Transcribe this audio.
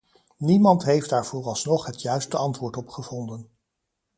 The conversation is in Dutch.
Niemand heeft daar vooralsnog het juiste antwoord op gevonden.